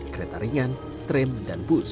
kereta ringan tram dan bus